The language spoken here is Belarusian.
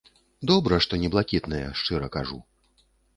Добра, што не блакітныя, шчыра кажу.